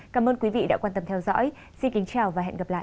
cảm ơn quý vị đã quan tâm theo dõi xin kính chào và hẹn gặp lại